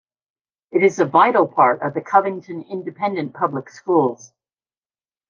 It is a vital part of the Covington Independent Public Schools.